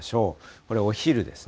これお昼ですね。